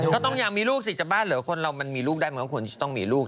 ก็ต้องอยากมีลูกสิจะบ้าเหรอคนเรามันมีลูกได้มันก็ควรจะต้องมีลูก